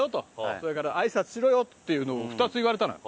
それから「挨拶しろよ」っていうのを２つ言われたのよ。